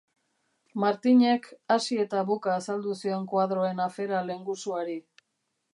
Martinek hasi eta buka azaldu zion koadroen afera lehengusuari.